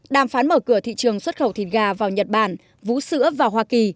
đàm phán mở cửa thị trường xuất khẩu thịt gà vào nhật bản vú sữa vào hoa kỳ